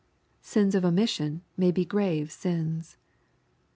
Sins of omission may be grave sins.